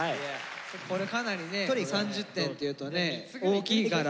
これかなりね３０点っていうとね大きいから。